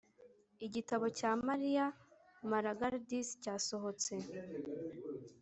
Igitabo cya Maria Malagardis cyasohotse